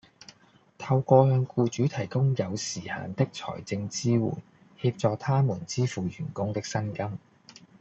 透過向僱主提供有時限的財政支援，協助他們支付員工的薪金